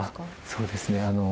そうですね。